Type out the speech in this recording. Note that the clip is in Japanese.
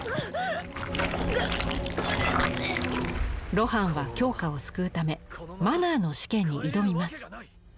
露伴は京香を救うため「マナー」の試験に挑みます。